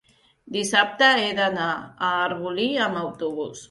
dissabte he d'anar a Arbolí amb autobús.